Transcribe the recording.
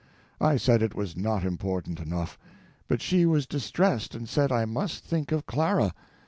I said it was not important enough; but she was distressed and said I must think of Clara.